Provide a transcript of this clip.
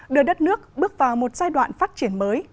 đưa đất nước bước vào một giai đoạn phát triển mới